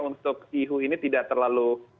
untuk ihu ini tidak terlalu